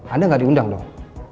anda gak diundang dong